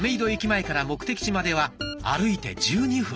前から目的地までは歩いて１２分。